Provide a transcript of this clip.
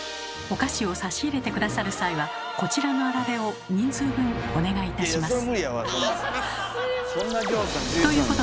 お菓子を差し入れて下さる際はこちらのあられを人数分お願いいたします。